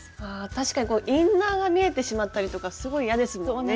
確かにインナーが見えてしまったりとかすごい嫌ですもんね。